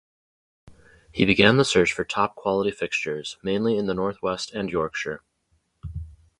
He began the search for top quality fixtures, mainly in the Northwest and Yorkshire.